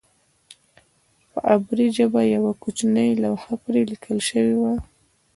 په عبري ژبه یوه کوچنۍ لوحه پرې لیکل شوې وه.